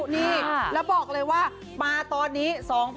นี่แล้วบอกเลยว่ามาตอนนี้